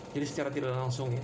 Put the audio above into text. jadi secara tidak langsung